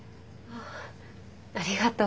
ありがとう。